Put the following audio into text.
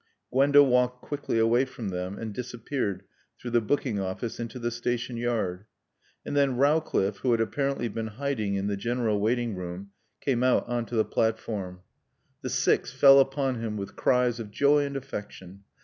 Gwenda walked quickly away from them and disappeared through the booking office into the station yard. And then Rowcliffe, who had apparently been hiding in the general waiting room, came out on to the platform. The six fell upon him with cries of joy and affection.